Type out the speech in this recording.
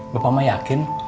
bapak mah yakin